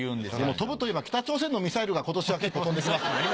飛ぶといえば北朝鮮のミサイルが今年は結構飛んで来ましたね。